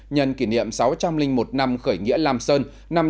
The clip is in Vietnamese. nhân kỷ niệm sáu trăm linh một năm khởi nghĩa lam sơn